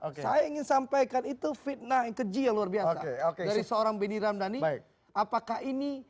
oke saya ingin sampaikan itu fitnah keji luar biasa oke seorang beniramdhani baik apakah ini